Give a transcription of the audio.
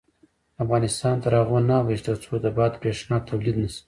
افغانستان تر هغو نه ابادیږي، ترڅو د باد بریښنا تولید نشي.